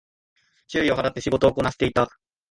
注意を払って仕事をこなしていた